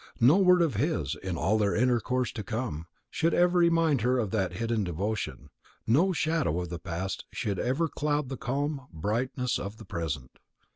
No word of his, in all their intercourse to come, should ever remind her of that hidden devotion; no shadow of the past should ever cloud the calm brightness of the present.